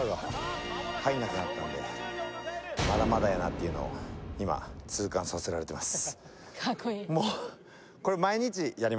もうっていうの今痛感させられてます